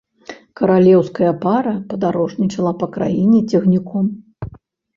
Каралеўская пара падарожнічала па краіне цягніком.